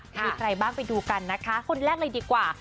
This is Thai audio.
มีใครบ้างไปดูกันนะคะคนแรกเลยดีกว่า